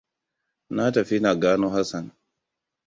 Na tafi na gano Hassan.